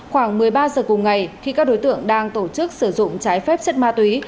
khoảng một mươi ba giờ cùng ngày khi các đối tượng đang tổ chức sử dụng trái phép chất ma túy